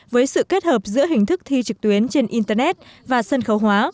với sự kết hợp giữa hình thức thi trực tuyến trên internet và sân khấu hóa